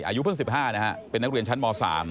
อายุเพิ่ง๑๕นะฮะเป็นนักเรียนชั้นม๓